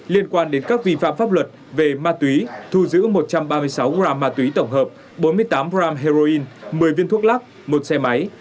liên quan đến các vi phạm pháp luật về ma túy thu giữ một trăm ba mươi sáu gram ma túy tổng hợp bốn mươi tám g heroin một mươi viên thuốc lắc một xe máy